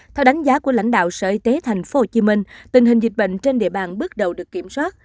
theo đánh giá của lãnh đạo sở y tế tp hcm tình hình dịch bệnh trên địa bàn bước đầu được kiểm soát